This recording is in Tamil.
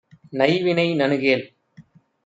நைவினை நணுகேல்.